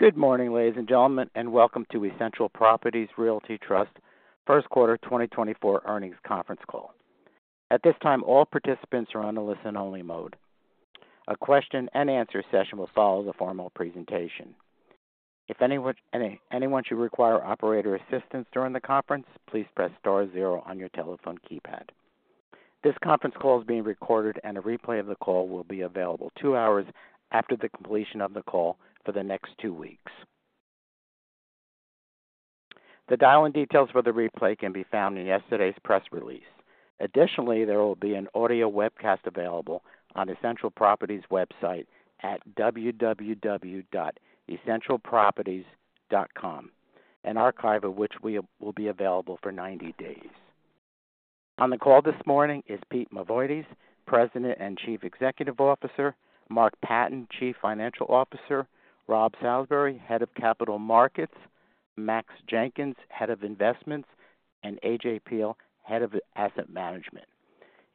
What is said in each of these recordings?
Good morning, ladies and gentlemen, and welcome to Essential Properties Realty Trust First Quarter 2024 Earnings Conference Call. At this time, all participants are on a listen-only mode. A question-and-answer session will follow the formal presentation. If anyone should require operator assistance during the conference, please press star zero on your telephone keypad. This conference call is being recorded, and a replay of the call will be available two hours after the completion of the call for the next two weeks. The dial-in details for the replay can be found in yesterday's press release. Additionally, there will be an audio webcast available on Essential Properties' website at www.essentialproperties.com, an archive of which will be available for 90 days. On the call this morning is Pete Mavoides, President and Chief Executive Officer, Mark Patten, Chief Financial Officer, Rob Salisbury, Head of Capital Markets, Max Jenkins, Head of Investments, and AJ Peil, Head of Asset Management.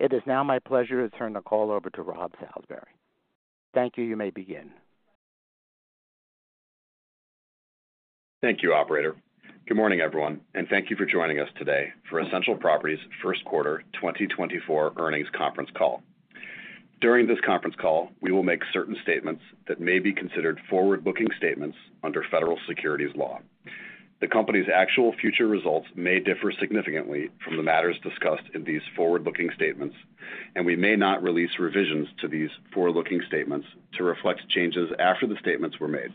It is now my pleasure to turn the call over to Rob Salisbury. Thank you. You may begin. Thank you, Operator. Good morning, everyone, and thank you for joining us today for Essential Properties First Quarter 2024 Earnings Conference Call. During this conference call, we will make certain statements that may be considered forward-looking statements under federal securities law. The company's actual future results may differ significantly from the matters discussed in these forward-looking statements, and we may not release revisions to these forward-looking statements to reflect changes after the statements were made.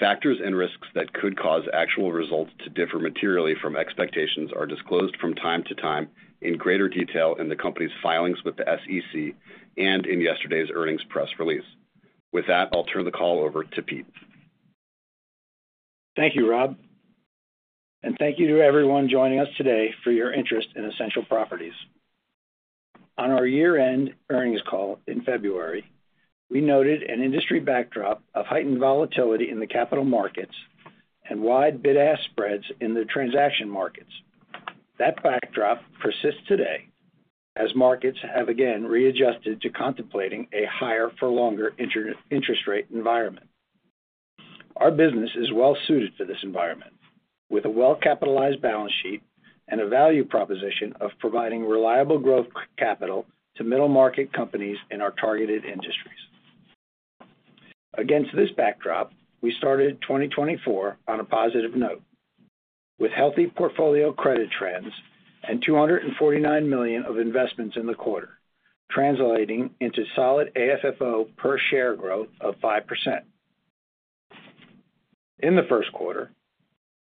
Factors and risks that could cause actual results to differ materially from expectations are disclosed from time to time in greater detail in the company's filings with the SEC and in yesterday's earnings press release. With that, I'll turn the call over to Pete. Thank you, Rob, and thank you to everyone joining us today for your interest in Essential Properties. On our year-end earnings call in February, we noted an industry backdrop of heightened volatility in the capital markets and wide bid-ask spreads in the transaction markets. That backdrop persists today as markets have again re-adjusted to contemplating a higher-for-longer interest rate environment. Our business is well-suited for this environment, with a well-capitalized balance sheet and a value proposition of providing reliable growth capital to middle-market companies in our targeted industries. Against this backdrop, we started 2024 on a positive note, with healthy portfolio credit trends and $249 million of investments in the quarter, translating into solid AFFO per share growth of 5%. In the first quarter,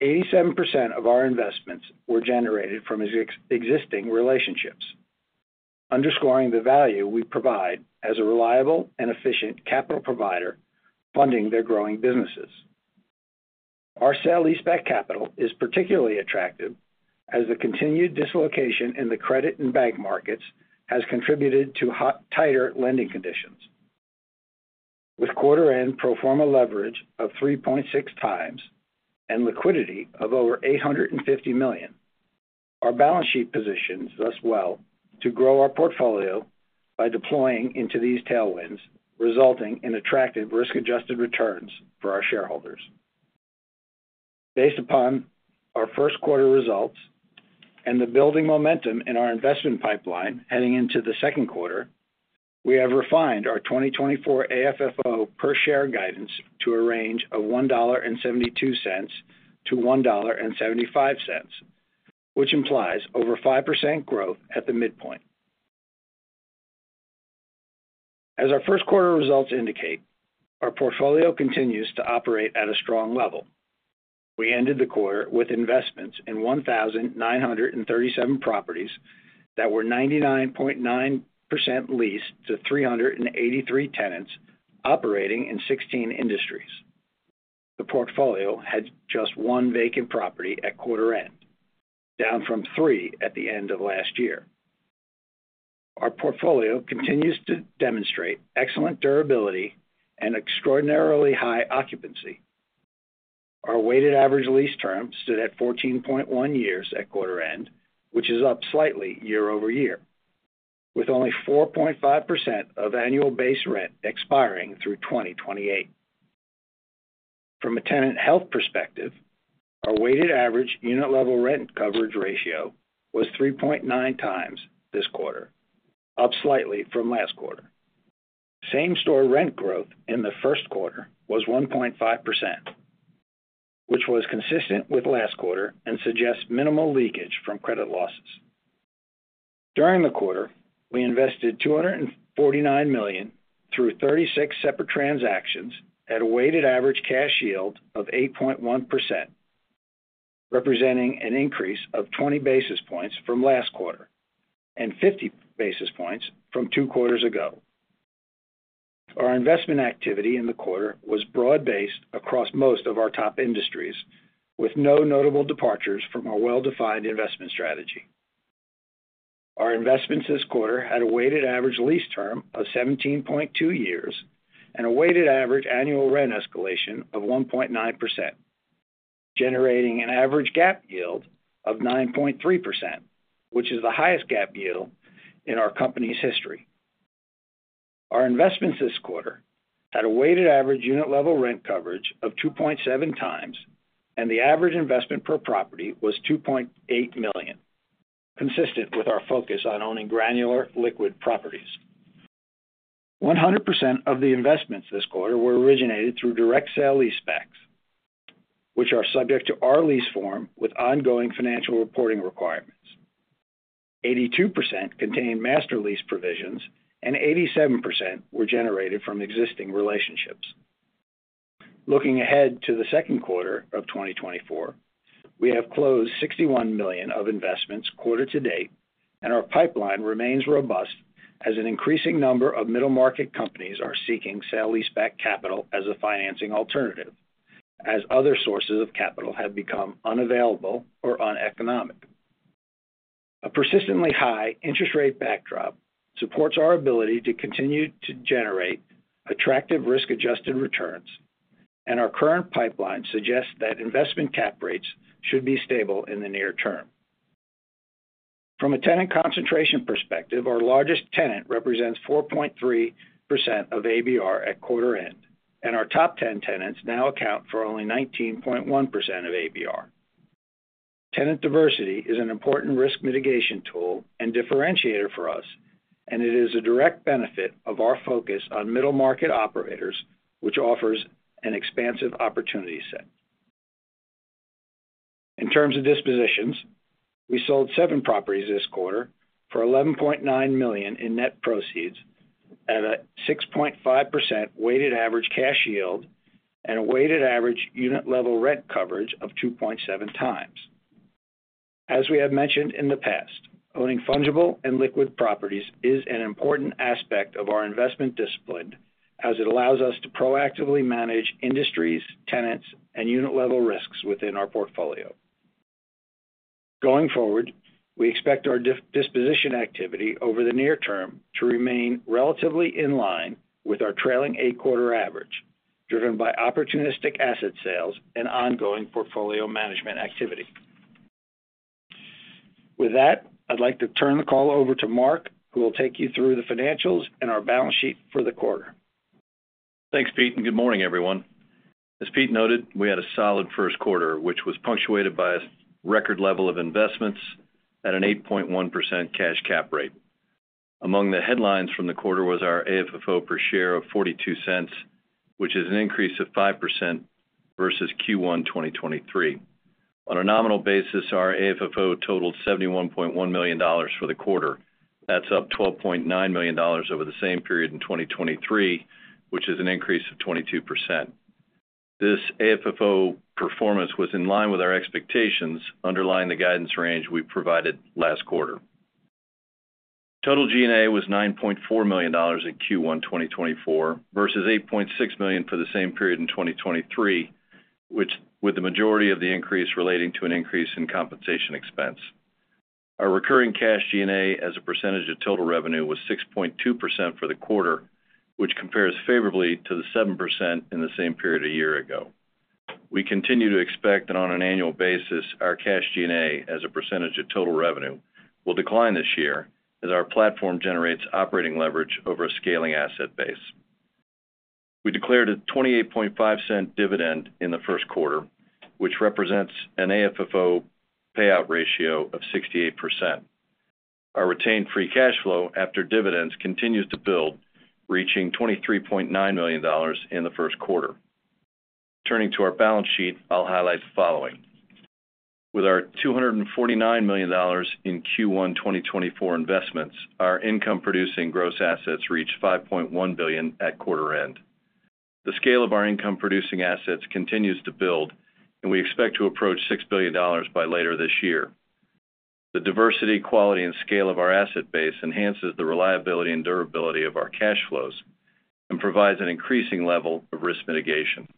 87% of our investments were generated from existing relationships, underscoring the value we provide as a reliable and efficient capital provider funding their growing businesses. Our sale leaseback capital is particularly attractive as the continued dislocation in the credit and bank markets has contributed to tighter lending conditions. With quarter-end pro forma leverage of 3.6x and liquidity of over $850 million, our balance sheet positions us well to grow our portfolio by deploying into these tailwinds, resulting in attractive risk-adjusted returns for our shareholders. Based upon our first quarter results and the building momentum in our investment pipeline heading into the second quarter, we have refined our 2024 AFFO per share guidance to a range of $1.72-1.75, which implies over 5% growth at the midpoint. As our first quarter results indicate, our portfolio continues to operate at a strong level. We ended the quarter with investments in 1,937 properties that were 99.9% leased to 383 tenants operating in 16 industries. The portfolio had just one vacant property at quarter-end, down from three at the end of last year. Our portfolio continues to demonstrate excellent durability and extraordinarily high occupancy. Our weighted average lease term stood at 14.1 years at quarter-end, which is up slightly year over year, with only 4.5% of annual base rent expiring through 2028. From a tenant health perspective, our weighted average unit-level rent coverage ratio was 3.9 times this quarter, up slightly from last quarter. Same-store rent growth in the first quarter was 1.5%, which was consistent with last quarter and suggests minimal leakage from credit losses. During the quarter, we invested $249 million through 36 separate transactions at a weighted average cash yield of 8.1%, representing an increase of 20 basis points from last quarter and 50 basis points from two quarters ago. Our investment activity in the quarter was broad-based across most of our top industries, with no notable departures from our well-defined investment strategy. Our investments this quarter had a weighted average lease term of 17.2 years and a weighted average annual rent escalation of 1.9%, generating an average GAAP yield of 9.3%, which is the highest GAAP yield in our company's history. Our investments this quarter had a weighted average unit-level rent coverage of 2.7 times, and the average investment per property was $2.8 million, consistent with our focus on owning granular liquid properties. 100% of the investments this quarter were originated through direct sale-leasebacks, which are subject to our lease form with ongoing financial reporting requirements. 82% contained master lease provisions, and 87% were generated from existing relationships. Looking ahead to the second quarter of 2024, we have closed $61 million of investments quarter to date, and our pipeline remains robust as an increasing number of middle-market companies are seeking sale leaseback capital as a financing alternative, as other sources of capital have become unavailable or uneconomic. A persistently high interest rate backdrop supports our ability to continue to generate attractive risk-adjusted returns, and our current pipeline suggests that investment cap rates should be stable in the near term. From a tenant concentration perspective, our largest tenant represents 4.3% of ABR at quarter-end, and our top 10 tenants now account for only 19.1% of ABR. Tenant diversity is an important risk mitigation tool and differentiator for us, and it is a direct benefit of our focus on middle-market operators, which offers an expansive opportunity set. In terms of dispositions, we sold 7 properties this quarter for $11.9 million in net proceeds at a 6.5% weighted average cash yield and a weighted average unit-level rent coverage of 2.7 times. As we have mentioned in the past, owning fungible and liquid properties is an important aspect of our investment discipline as it allows us to proactively manage industries, tenants, and unit-level risks within our portfolio. Going forward, we expect our disposition activity over the near term to remain relatively in line with our trailing eight quarter average, driven by opportunistic asset sales and ongoing portfolio management activity. With that, I'd like to turn the call over to Mark, who will take you through the financials and our balance sheet for the quarter. Thanks, Pete, and good morning, everyone. As Pete noted, we had a solid first quarter, which was punctuated by a record level of investments at an 8.1% cash cap rate. Among the headlines from the quarter was our AFFO per share of $0.42, which is an increase of 5% versus Q1 2023. On a nominal basis, our AFFO totaled $71.1 million for the quarter. That's up $12.9 million over the same period in 2023, which is an increase of 22%. This AFFO performance was in line with our expectations underlying the guidance range we provided last quarter. Total G&A was $9.4 million in Q1 2024 versus $8.6 million for the same period in 2023, with the majority of the increase relating to an increase in compensation expense. Our recurring cash G&A as a percentage of total revenue was 6.2% for the quarter, which compares favorably to the 7% in the same period a year ago. We continue to expect that on an annual basis, our cash G&A as a percentage of total revenue will decline this year as our platform generates operating leverage over a scaling asset base. We declared a $0.285 dividend in the first quarter, which represents an AFFO payout ratio of 68%. Our retained free cash flow after dividends continues to build, reaching $23.9 million in the first quarter. Turning to our balance sheet, I'll highlight the following. With our $249 million in Q1 2024 investments, our income-producing gross assets reached $5.1 billion at quarter-end. The scale of our income-producing assets continues to build, and we expect to approach $6 billion by later this year. The diversity, quality, and scale of our asset base enhances the reliability and durability of our cash flows and provides an increasing level of risk mitigation.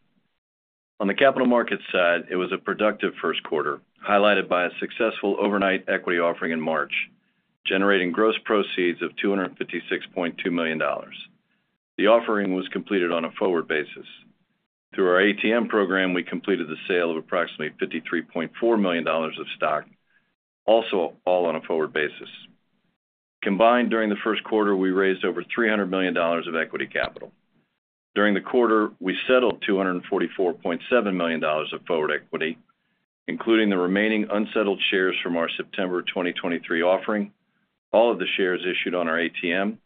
On the capital markets side, it was a productive first quarter, highlighted by a successful overnight equity offering in March, generating gross proceeds of $256.2 million. The offering was completed on a forward basis. Through our ATM program, we completed the sale of approximately $53.4 million of stock, also all on a forward basis. Combined, during the first quarter, we raised over $300 million of equity capital. During the quarter, we settled $244.7 million of forward equity, including the remaining unsettled shares from our September 2023 offering, all of the shares issued on our ATM,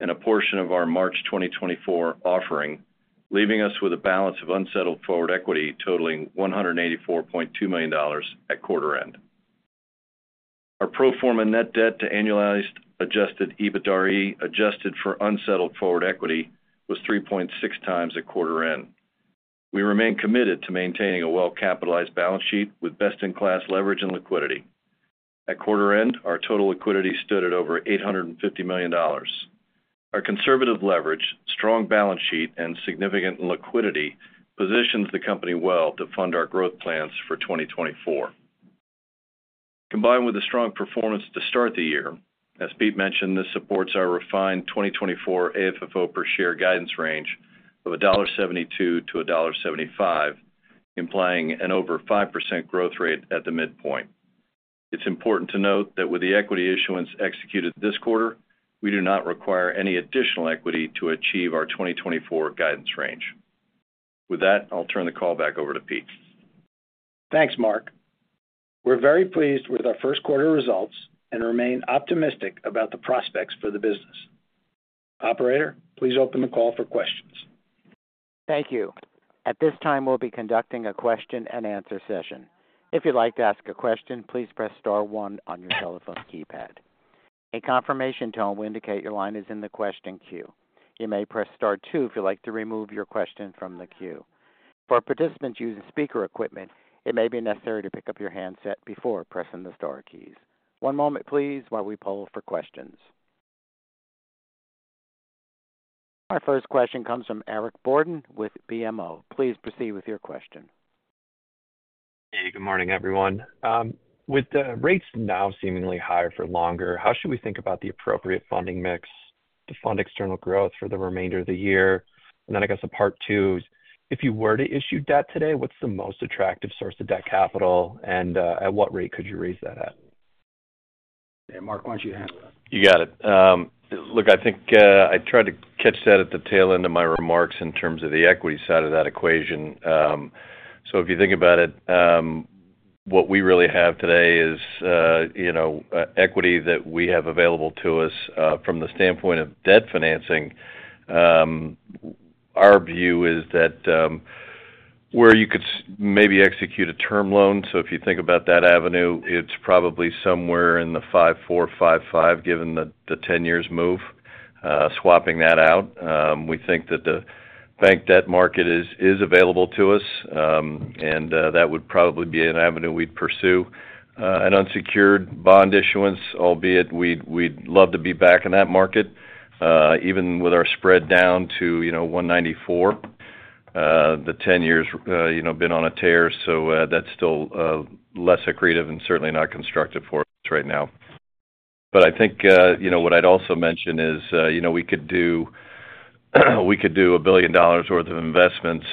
and a portion of our March 2024 offering, leaving us with a balance of unsettled forward equity totaling $184.2 million at quarter-end. Our pro forma net debt to annualized adjusted EBITDAre adjusted for unsettled forward equity was 3.6x at quarter-end. We remain committed to maintaining a well-capitalized balance sheet with best-in-class leverage and liquidity. At quarter-end, our total liquidity stood at over $850 million. Our conservative leverage, strong balance sheet, and significant liquidity positions the company well to fund our growth plans for 2024. Combined with the strong performance to start the year, as Pete mentioned, this supports our refined 2024 AFFO per share guidance range of $1.72-1.75, implying an over 5% growth rate at the midpoint. It's important to note that with the equity issuance executed this quarter, we do not require any additional equity to achieve our 2024 guidance range. With that, I'll turn the call back over to Pete. Thanks, Mark. We're very pleased with our first quarter results and remain optimistic about the prospects for the business. Operator, please open the call for questions. Thank you. At this time, we'll be conducting a question-and-answer session. If you'd like to ask a question, please press star one on your telephone keypad. A confirmation tone will indicate your line is in the question queue. You may press star two if you'd like to remove your question from the queue. For participants using speaker equipment, it may be necessary to pick up your handset before pressing the star keys. One moment, please, while we poll for questions. Our first question comes from Eric Borden with BMO. Please proceed with your question. Hey, good morning, everyone. With the rates now seemingly higher for longer, how should we think about the appropriate funding mix to fund external growth for the remainder of the year? And then, I guess, a part two is, if you were to issue debt today, what's the most attractive source of debt capital, and at what rate could you raise that at? Yeah, Mark, why don't you handle that? You got it. Look, I think I tried to catch that at the tail end of my remarks in terms of the equity side of that equation. So if you think about it, what we really have today is equity that we have available to us. From the standpoint of debt financing, our view is that where you could maybe execute a term loan so if you think about that avenue, it's probably somewhere in the 5.4-5.5, given the 10-year move, swapping that out. We think that the bank debt market is available to us, and that would probably be an avenue we'd pursue. An unsecured bond issuance, albeit we'd love to be back in that market, even with our spread down to 194. The 10 years have been on a tear, so that's still less accretive and certainly not constructive for us right now. But I think what I'd also mention is we could do $1 billion worth of investments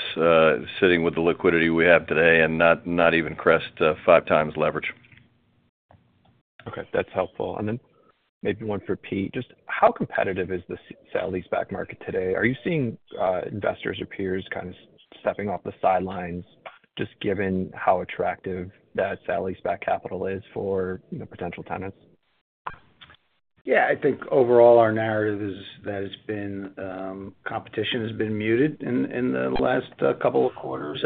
sitting with the liquidity we have today and not even crest 5x leverage. Okay. That's helpful. And then maybe one for Pete. Just how competitive is the sale-leaseback market today? Are you seeing investors or peers kind of stepping off the sidelines, just given how attractive that sale-leaseback capitalized for potential tenants? Yeah. I think overall, our narrative is that competition has been muted in the last couple of quarters.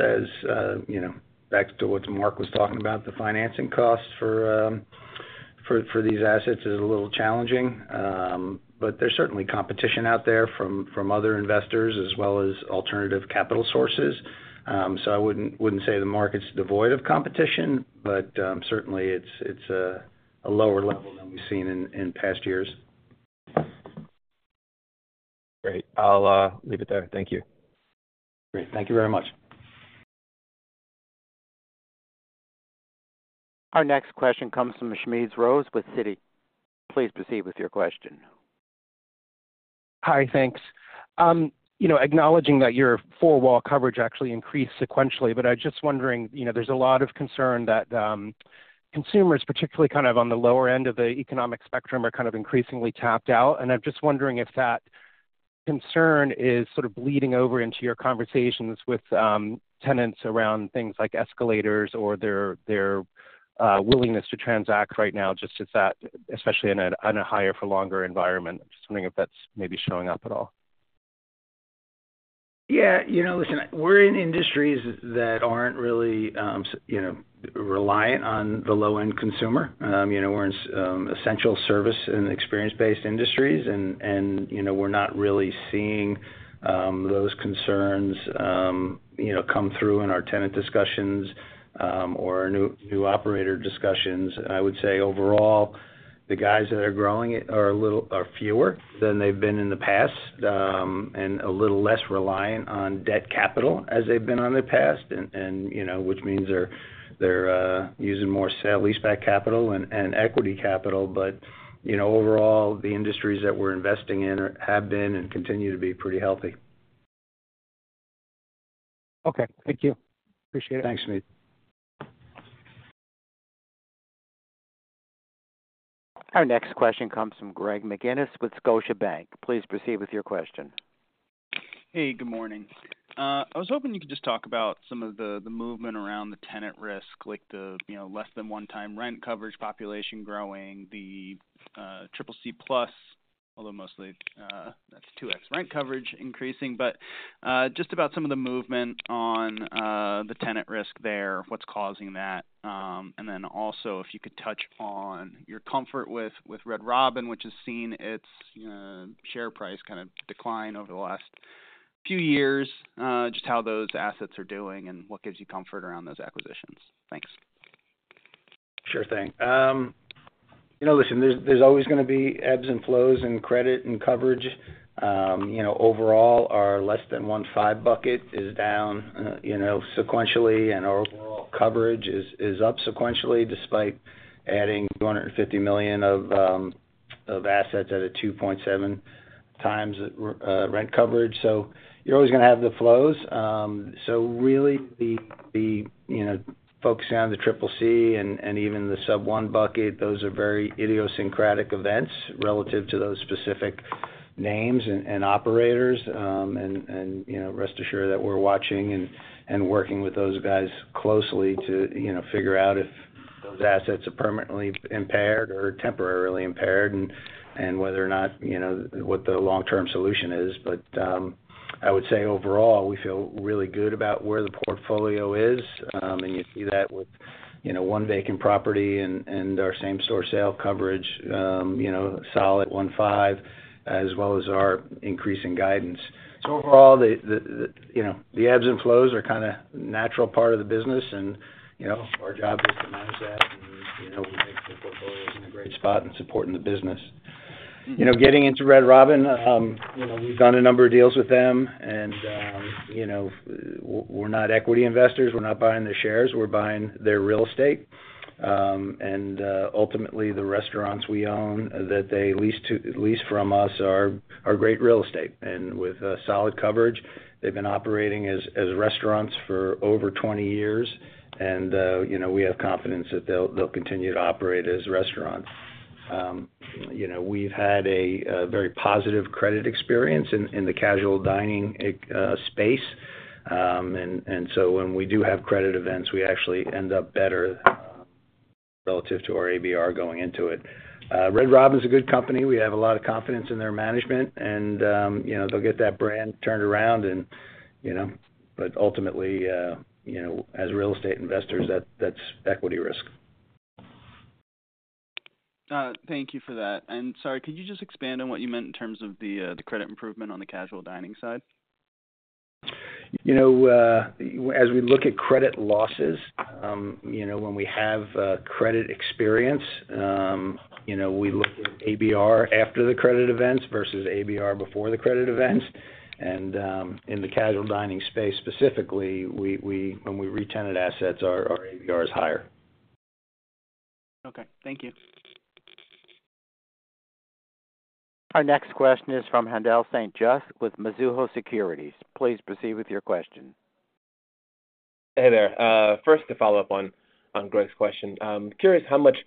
Back to what Mark was talking about, the financing costs for these assets is a little challenging. But there's certainly competition out there from other investors as well as alternative capital sources. So I wouldn't say the market's devoid of competition, but certainly, it's a lower level than we've seen in past years. Great. I'll leave it there. Thank you. Great. Thank you very much. Our next question comes from Smedes Rose with Citi. Please proceed with your question. Hi. Thanks. Acknowledging that your four wall coverage actually increased sequentially, but I'm just wondering, there's a lot of concern that consumers, particularly kind of on the lower end of the economic spectrum, are kind of increasingly tapped out. And I'm just wondering if that concern is sort of bleeding over into your conversations with tenants around things like escalators or their willingness to transact right now, just especially in a higher-for-longer environment. I'm just wondering if that's maybe showing up at all. Yeah. Listen, we're in industries that aren't really reliant on the low-end consumer. We're in essential service and experience-based industries, and we're not really seeing those concerns come through in our tenant discussions or new operator discussions. I would say overall, the guys that are growing it are fewer than they've been in the past and a little less reliant on debt capital as they've been in the past, which means they're using more sale-leaseback capital and equity capital. But overall, the industries that we're investing in have been and continue to be pretty healthy. Okay. Thank you. Appreciate it. Thanks, Smedes. Our next question comes from Greg McGinnis with Scotiabank. Please proceed with your question. Hey. Good morning. I was hoping you could just talk about some of the movement around the tenant risk, like the less-than 1x rent coverage population growing, the CCC+, although mostly that's 2x rent coverage increasing. But just about some of the movement on the tenant risk there, what's causing that. And then also, if you could touch on your comfort with Red Robin, which has seen its share price kind of decline over the last few years, just how those assets are doing and what gives you comfort around those acquisitions. Thanks. Sure thing. Listen, there's always going to be ebbs and flows in credit and coverage. Overall, our less than 1.5 bucket is down sequentially, and our overall coverage is up sequentially despite adding $250 million of assets at a 2.7x rent coverage. So you're always going to have the flows. So really, focusing on the CCC and even the sub-1 bucket, those are very idiosyncratic events relative to those specific names and operators. And rest assured that we're watching and working with those guys closely to figure out if those assets are permanently impaired or temporarily impaired and whether or not what the long-term solution is. But I would say overall, we feel really good about where the portfolio is, and you see that with one vacant property and our same-store sales coverage, solid 1.5, as well as our increasing guidance. So overall, the ebbs and flows are kind of a natural part of the business, and our job is to manage that and make the portfolios in a great spot and supporting the business. Getting into Red Robin, we've done a number of deals with them, and we're not equity investors. We're not buying their shares. We're buying their real estate. And ultimately, the restaurants we own that they lease from us are great real estate. And with solid coverage, they've been operating as restaurants for over 20 years, and we have confidence that they'll continue to operate as restaurants. We've had a very positive credit experience in the casual dining space. And so when we do have credit events, we actually end up better relative to our ABR going into it. Red Robin's a good company. We have a lot of confidence in their management, and they'll get that brand turned around. But ultimately, as real estate investors, that's equity risk. Thank you for that. Sorry, could you just expand on what you meant in terms of the credit improvement on the casual dining side? As we look at credit losses, when we have credit experience, we look at ABR after the credit events versus ABR before the credit events. In the casual dining space specifically, when we re-tenant assets, our ABR is higher. Okay. Thank you. Our next question is from Haendel St. Juste with Mizuho Securities. Please proceed with your question. Hey there. First, to follow up on Greg's question, I'm curious how much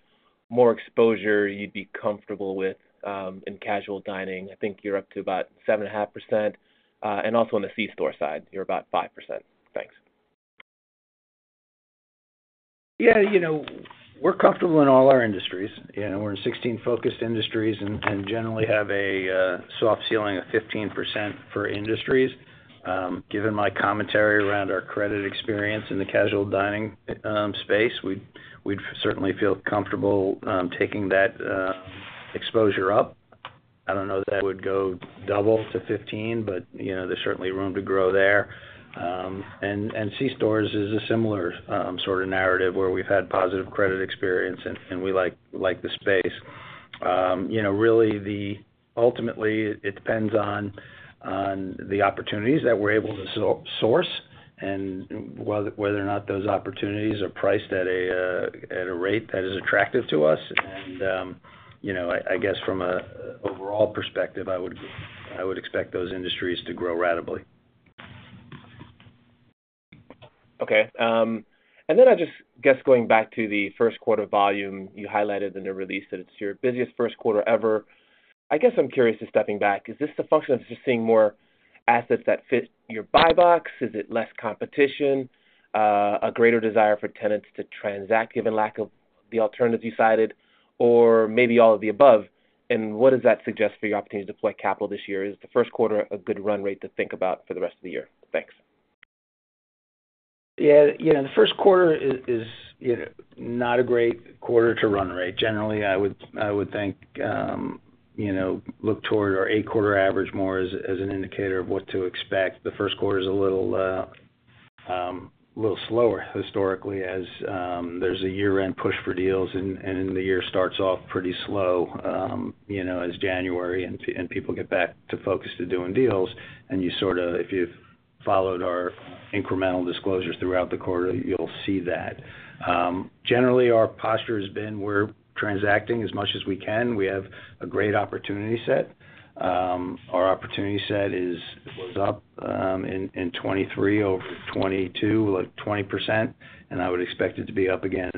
more exposure you'd be comfortable with in casual dining. I think you're up to about 7.5%. And also on the C-store side, you're about 5%. Thanks. Yeah. We're comfortable in all our industries. We're in 16 focused industries and generally have a soft ceiling of 15% for industries. Given my commentary around our credit experience in the casual dining space, we'd certainly feel comfortable taking that exposure up. I don't know that it would go double to 15, but there's certainly room to grow there. And C-stores is a similar sort of narrative where we've had positive credit experience, and we like the space. Really, ultimately, it depends on the opportunities that we're able to source and whether or not those opportunities are priced at a rate that is attractive to us. And I guess from an overall perspective, I would expect those industries to grow radically. Okay. And then I just guess going back to the first quarter volume, you highlighted in the release that it's your busiest first quarter ever. I guess I'm curious to step back. Is this a function of just seeing more assets that fit your buy box? Is it less competition, a greater desire for tenants to transact given lack of the alternatives you cited, or maybe all of the above? And what does that suggest for your opportunity to deploy capital this year? Is the first quarter a good run rate to think about for the rest of the year? Thanks. Yeah. The first quarter is not a great quarter to run rate. Generally, I would think look toward our 8-quarter average more as an indicator of what to expect. The first quarter is a little slower historically as there's a year-end push for deals, and the year starts off pretty slow as January and people get back to focus to doing deals. And if you've followed our incremental disclosures throughout the quarter, you'll see that. Generally, our posture has been we're transacting as much as we can. We have a great opportunity set. Our opportunity set was up in 2023 over 2022, like 20%, and I would expect it to be up again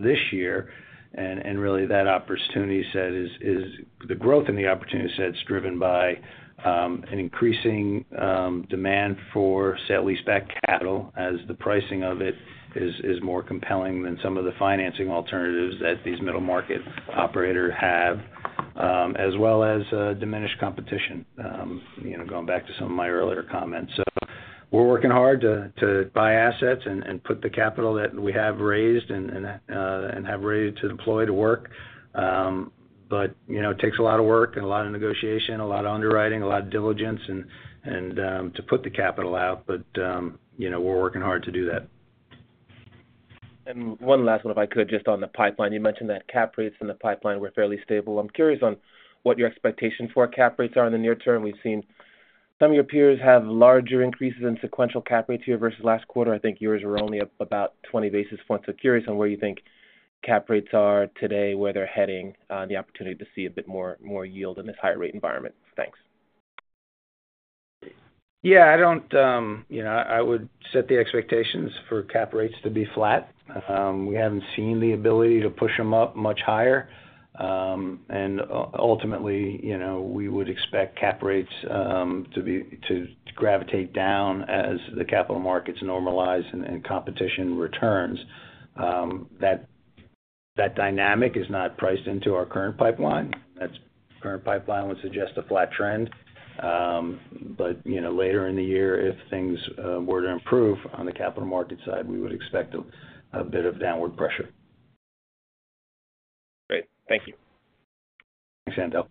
this year. And really, that opportunity set is the growth in the opportunity set is driven by an increasing demand for sale-leaseback capital as the pricing of it is more compelling than some of the financing alternatives that these middle-market operators have, as well as diminished competition, going back to some of my earlier comments. So we're working hard to buy assets and put the capital that we have raised and have ready to deploy to work. But it takes a lot of work and a lot of negotiation, a lot of underwriting, a lot of diligence to put the capital out. But we're working hard to do that. One last one, if I could, just on the pipeline. You mentioned that cap rates in the pipeline were fairly stable. I'm curious on what your expectations for cap rates are in the near term. We've seen some of your peers have larger increases in sequential cap rates here versus last quarter. I think yours were only about 20 basis points. So curious on where you think cap rates are today, where they're heading, the opportunity to see a bit more yield in this higher-rate environment? Thanks. Yeah. I would set the expectations for cap rates to be flat. We haven't seen the ability to push them up much higher. And ultimately, we would expect cap rates to gravitate down as the capital markets normalize and competition returns. That dynamic is not priced into our current pipeline. That current pipeline would suggest a flat trend. But later in the year, if things were to improve on the capital market side, we would expect a bit of downward pressure. Great. Thank you. Thanks, Haendel.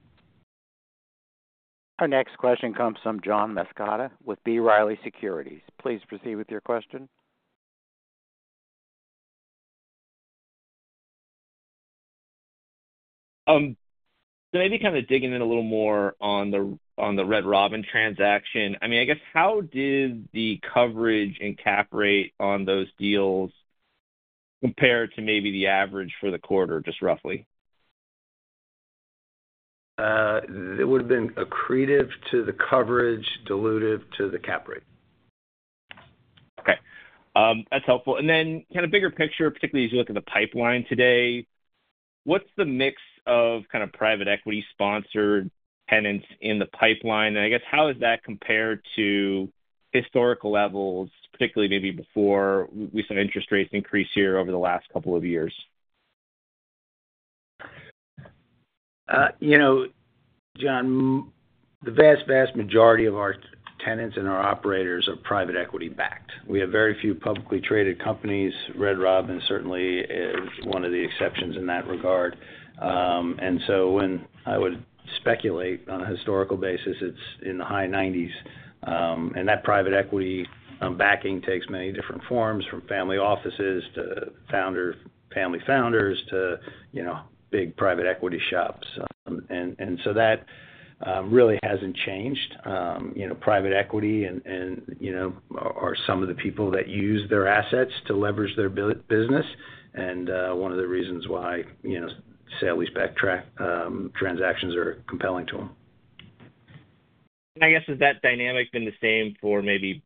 Our next question comes from John Massocca with B. Riley Securities. Please proceed with your question. So maybe kind of digging in a little more on the Red Robin transaction. I mean, I guess how did the coverage and cap rate on those deals compare to maybe the average for the quarter, just roughly? It would have been accretive to the coverage, dilutive to the cap rate. Okay. That's helpful. And then kind of bigger picture, particularly as you look at the pipeline today, what's the mix of kind of private equity-sponsored tenants in the pipeline? And I guess how does that compare to historical levels, particularly maybe before we saw interest rates increase here over the last couple of years? John, the vast, vast majority of our tenants and our operators are private equity-backed. We have very few publicly traded companies. Red Robin certainly is one of the exceptions in that regard. And so when I would speculate on a historical basis, it's in the high 90s. And that private equity backing takes many different forms, from family offices to founder family founders to big private equity shops. And so that really hasn't changed. Private equity are some of the people that use their assets to leverage their business. And one of the reasons why sale leaseback transactions are compelling to them. And I guess has that dynamic been the same for maybe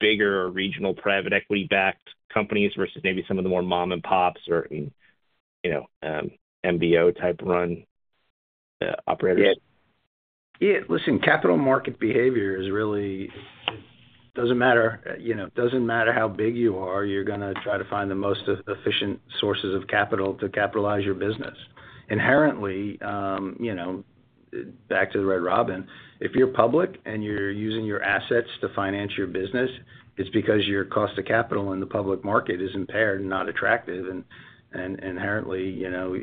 bigger or regional private equity-backed companies versus maybe some of the more mom-and-pops or MBO-type-run operators? Yeah. Listen, capital market behavior really doesn't matter. It doesn't matter how big you are. You're going to try to find the most efficient sources of capital to capitalize your business. Inherently, you know, back to the Red Robin, if you're public and you're using your assets to finance your business, it's because your cost of capital in the public market is impaired and not attractive. Inherently, you're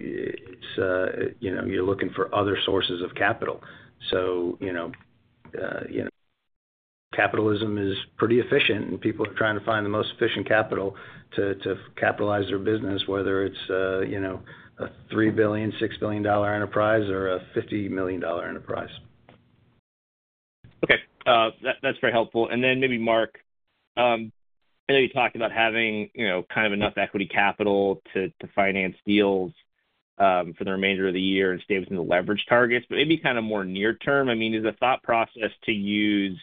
looking for other sources of capital. So, you know, Capitalism is pretty efficient, and people are trying to find the most efficient capital to capitalize their business, whether it's a you know, $3-6 billion enterprise, or a $50 million enterprise. Okay. That's very helpful. And then maybe, Mark, I know you talked about having kind of enough equity capital to finance deals for the remainder of the year and stay within the leverage targets, but maybe kind of more near term, I mean, is the thought process to use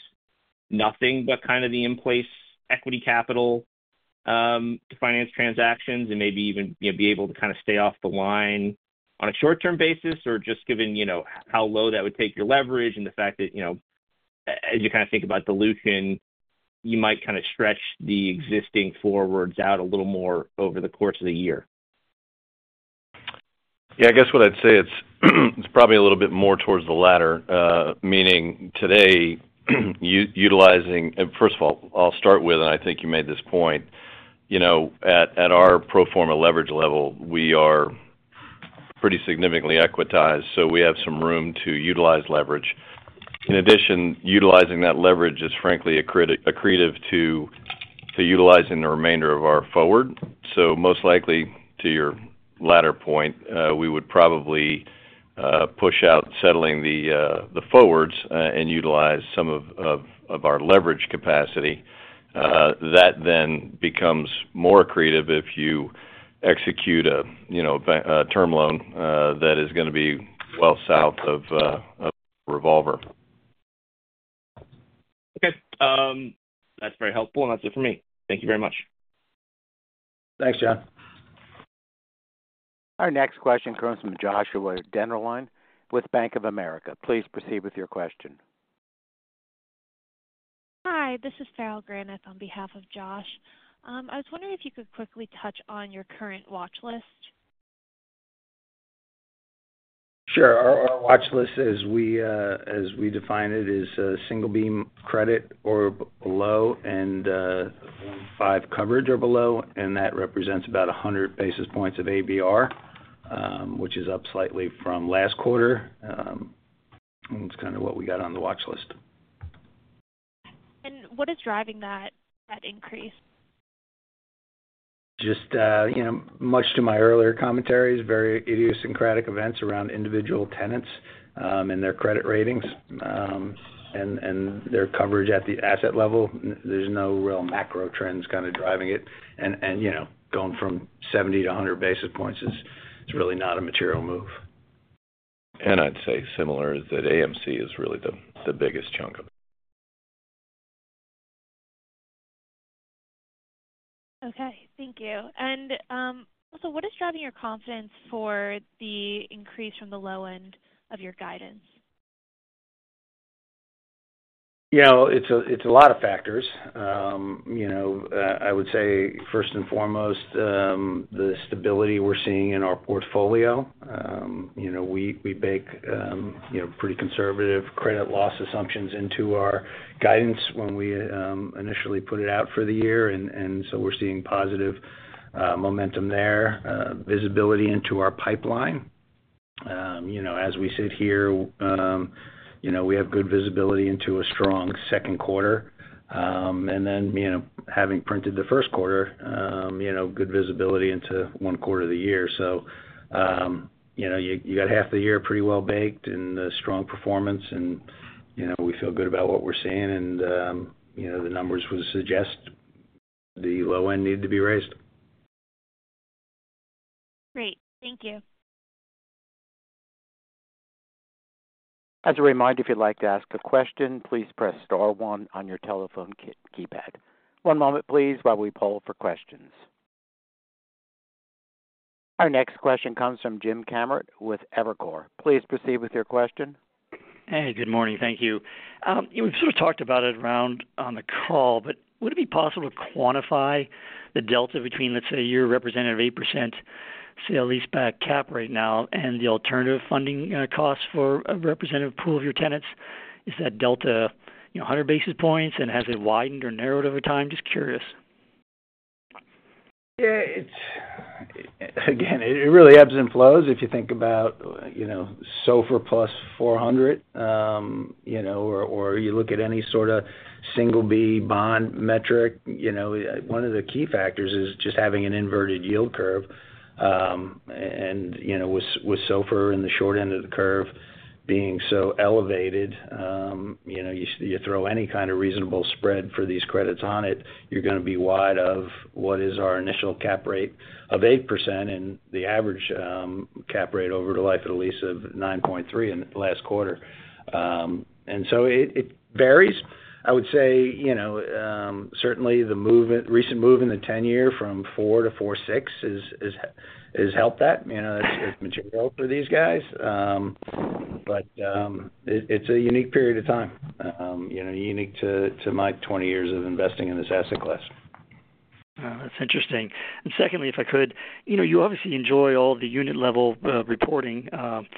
nothing but kind of the in-place equity capital to finance transactions and maybe even be able to kind of stay off the line on a short-term basis or just given how low that would take your leverage and the fact that as you kind of think about dilution, you might kind of stretch the existing forwards out a little more over the course of the year? Yeah. I guess what I'd say it's probably a little bit more towards the latter, meaning today, utilizing first of all, I'll start with, and I think you made this point, at our pro forma leverage level, we are pretty significantly equitized, so we have some room to utilize leverage. In addition, utilizing that leverage is, frankly, accretive to utilizing the remainder of our forward. So most likely, to your latter point, we would probably push out settling the forwards and utilize some of our leverage capacity. That then becomes more accretive if you execute a term loan that is going to be well south of a revolver. Okay. That's very helpful, and that's it for me. Thank you very much. Thanks, John. Our next question comes from Joshua Dennerlein with Bank of America. Please proceed with your question. Hi. This is Farrell Granath on behalf of Josh. I was wondering if you could quickly touch on your current watchlist. Sure. Our watchlist, as we define it, is single beam credit or low end five coverage or below. That represents about 100 basis points of ABR, which is up slightly from last quarter. It's kind of what we got on the watchlist. What is driving that increase? Just much to my earlier commentaries, very idiosyncratic events around individual tenants and their credit ratings and their coverage at the asset level. There's no real macro trends kind of driving it. Going from 70-100 basis points is really not a material move. I'd say similar is that AMC is really the biggest chunk of it. Okay. Thank you. And also, what is driving your confidence for the increase from the low end of your guidance? Yeah. It's a lot of factors. I would say, first and foremost, the stability we're seeing in our portfolio. We bake pretty conservative credit loss assumptions into our guidance when we initially put it out for the year. And so we're seeing positive momentum there, visibility into our pipeline. As we sit here, we have good visibility into a strong second quarter. And then having printed the first quarter, good visibility into one quarter of the year. So you got half the year pretty well baked and strong performance, and we feel good about what we're seeing. And the numbers would suggest the low end needed to be raised. Great. Thank you. As a reminder, if you'd like to ask a question, please press star one on your telephone keypad. One moment, please, while we pull for questions. Our next question comes from Jim Kammert with Evercore. Please proceed with your question. Hey. Good morning. Thank you. We've sort of talked about it around on the call, but would it be possible to quantify the delta between, let's say, you're representing an 8% sale-leaseback cap right now and the alternative funding costs for a representative pool of your tenants? Is that delta 100 basis points and has it widened or narrowed over time? Just curious. Yeah. Again, it really ebbs and flows. If you think about SOFR plus 400 or you look at any sort of single B bond metric, one of the key factors is just having an inverted yield curve. And with SOFR and the short end of the curve being so elevated, you throw any kind of reasonable spread for these credits on it, you're going to be wide of what is our initial cap rate of 8% and the average cap rate over the life of the lease of 9.3% in the last quarter. And so it varies. I would say, certainly, the recent move in the 10-year from 4-4.6% has helped that. That's material for these guys. But it's a unique period of time, unique to my 20 years of investing in this asset class. That's interesting. And secondly, if I could, you obviously enjoy all the unit-level reporting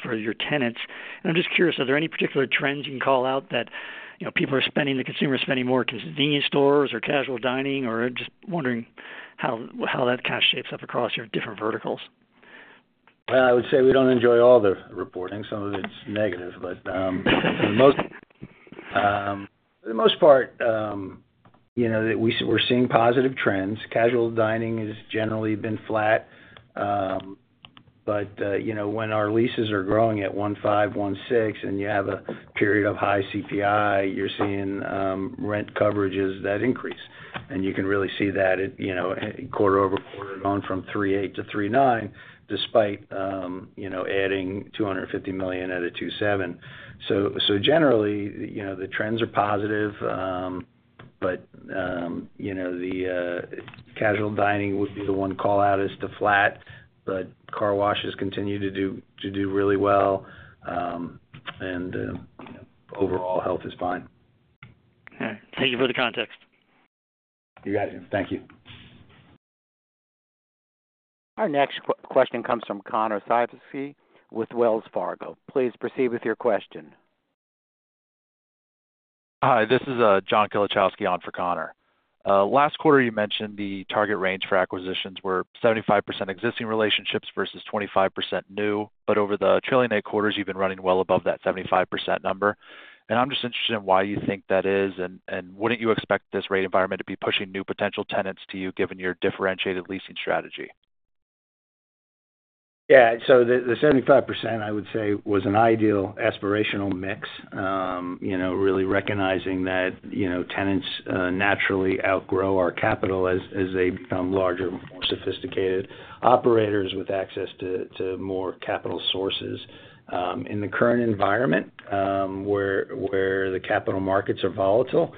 for your tenants. And I'm just curious, are there any particular trends you can call out that people are spending, the consumer is spending more in convenience stores or casual dining or just wondering how that kind of shapes up across your different verticals? Well, I would say we don't enjoy all the reporting. Some of it's negative. But for the most part, we're seeing positive trends. Casual dining has generally been flat. But when our leases are growing at 1.5-1.6, and you have a period of high CPI, you're seeing rent coverages that increase. And you can really see that quarter-over-quarter gone from 3.8-3.9 despite adding $250 million at a 2.7. So generally, the trends are positive. But the casual dining would be the one callout as to flat. But car washes continue to do really well, and overall, health is fine. All right. Thank you for the context. You gotcha. Thank you. Our next question comes from Connor Siversky with Wells Fargo. Please proceed with your question. Hi. This is John Kilichowski on for Connor. Last quarter, you mentioned the target range for acquisitions were 75% existing relationships versus 25% new. But over the trailing eight quarters, you've been running well above that 75% number. And I'm just interested in why you think that is. And wouldn't you expect this rate environment to be pushing new potential tenants to you given your differentiated leasing strategy? Yeah. So the 75%, I would say, was an ideal aspirational mix, you know, really recognizing that tenants naturally outgrow our capital as they become larger, more sophisticated operators with access to more capital sources. In the current environment where the capital markets are volatile,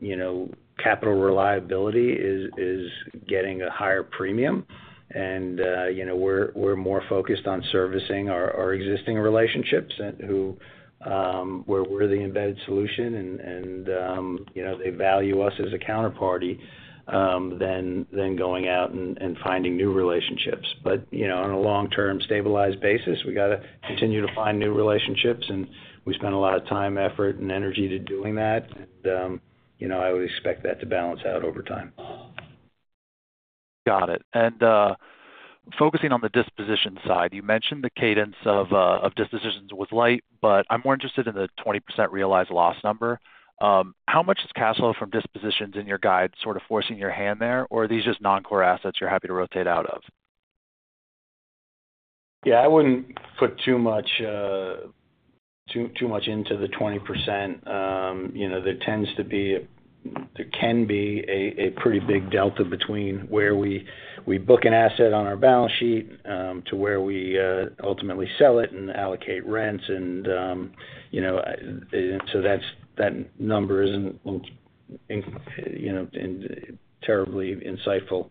you know, capital reliability is getting a higher premium. And we're more focused on servicing our existing relationships where we're the embedded solution, and they value us as a counterparty than going out and finding new relationships. But on a long-term, stabilized basis, we got to continue to find new relationships. And we spend a lot of time, effort, and energy doing that. And I would expect that to balance out over time. Got it. And focusing on the disposition side, you mentioned the cadence of dispositions was light, but I'm more interested in the 20% realized loss number. How much is castled from dispositions in your guidance sort of forcing your hand there, or are these just non-core assets you're happy to rotate out of? Yeah. I wouldn't put too much into the 20%. There tends to be, there can be a pretty big delta between where we book an asset on our balance sheet to where we ultimately sell it and allocate rents. And so that number isn't terribly insightful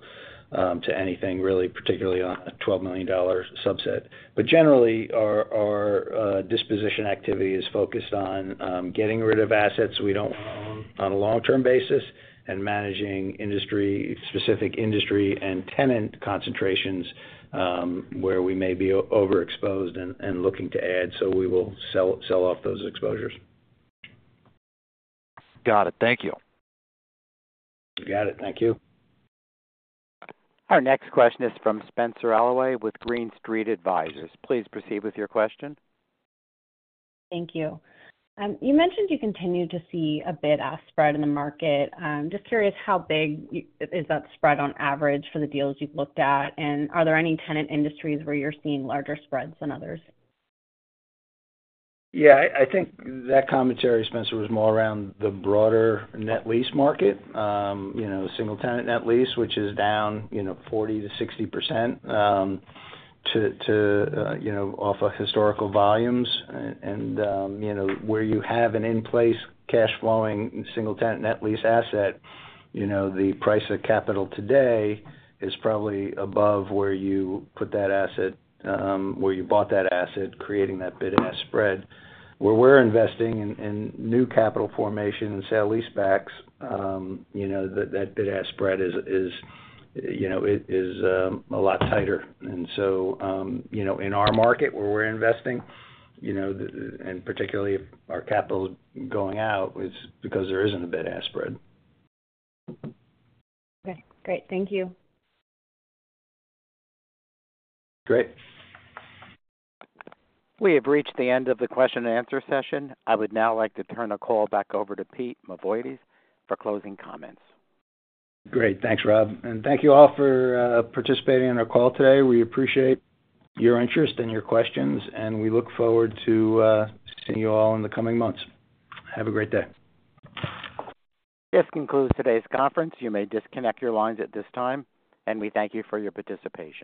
to anything really, particularly on a $12 million subset. But generally, our disposition activity is focused on getting rid of assets we don't want to own on a long-term basis and managing specific industry and tenant concentrations where we may be overexposed and looking to add. So we will sell off those exposures. Got it. Thank you. Got it. Thank you. Our next question is from Spenser Allaway with Green Street Advisors. Please proceed with your question. Thank you. You mentioned you continue to see a bid-ask spread in the market. Just curious, how big is that spread on average for the deals you've looked at? And are there any tenant industries where you're seeing larger spreads than others? Yeah. I think that commentary, Spencer, was more around the broader net lease market, single tenant net lease, which is down 40-60% off of historical volumes. And where you have an in-place cash flowing single tenant net lease asset, the price of capital today is probably above where you put that asset, where you bought that asset, creating that bid ask spread. Where we're investing in new capital formation and sale lease backs, that bid ask spread is a lot tighter. And so in our market where we're investing, and particularly if our capital's going out, it's because there isn't a bid ask spread. Okay. Great. Thank you. Great. We have reached the end of the Q&A session. I would now like to turn the call back over to Pete Mavoides for closing comments. Great. Thanks, Rob. Thank you all for participating in our call today. We appreciate your interest and your questions, and we look forward to seeing you all in the coming months. Have a great day. This concludes today's conference. You may disconnect your lines at this time, and we thank you for your participation.